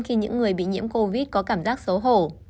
khi những người bị nhiễm covid có cảm giác xấu hổ